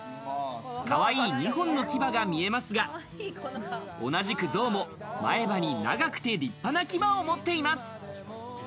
かわいい２本の牙が見えますが、同じくゾウも前歯に長くて立派な牙を持っています。